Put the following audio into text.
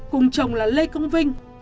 cùng chồng là lê công vinh